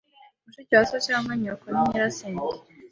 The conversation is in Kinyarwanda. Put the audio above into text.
Mushiki wa so cyangwa nyoko ni nyirasenge.